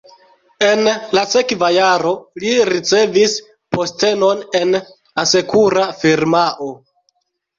En la sekva jaro li ricevis postenon en asekura firmao.